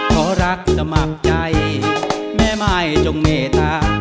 ขอรักจะหมับใจแม่ไม้จงเนตา